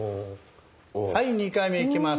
はい２回目いきます。